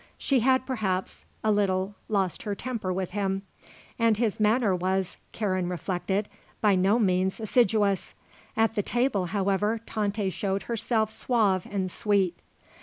She had, perhaps, a little lost her temper with him; and his manner was, Karen reflected, by no means assiduous. At the table, however, Tante showed herself suave and sweet.